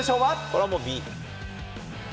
これはもう、Ｂ。